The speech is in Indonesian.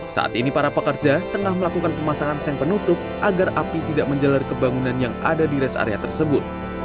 saat ini para pekerja tengah melakukan pemasangan seng penutup agar api tidak menjelar ke bangunan yang ada di res area tersebut